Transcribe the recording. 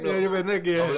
ntar jadi pendek ya